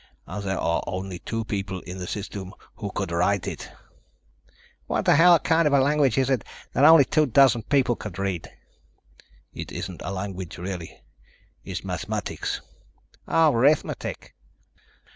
"And there are only two people in the System who could write it." "What the hell kind of a language is it that only two dozen people could read?" "It isn't a language, really. It's mathematics." "Oh, arithmetic."